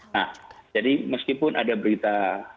nah jadi meskipun ada berita